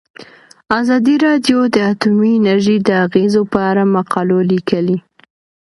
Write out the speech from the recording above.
ازادي راډیو د اټومي انرژي د اغیزو په اړه مقالو لیکلي.